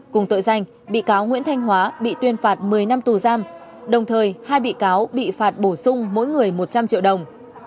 cùng tội danh bị cáo nguyễn thanh hóa bị tuyên phạt một mươi năm tù giam đồng thời hai bị cáo bị phạt bổ sung mỗi người một trăm linh triệu đồng